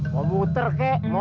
mau muter kek